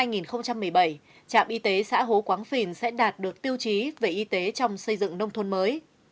năm hai nghìn một mươi bảy trạm y tế xã hố quán phìn sẽ đạt được tiêu chí về y tế trong xây dựng nông thôn mới